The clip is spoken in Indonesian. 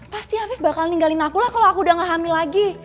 pasti hafif bakal ninggalin aku lah kalau aku udah gak hamil lagi